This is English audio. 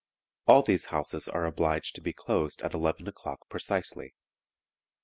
All these houses are obliged to be closed at 11 o'clock precisely.